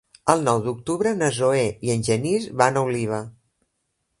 El nou d'octubre na Zoè i en Genís van a Oliva.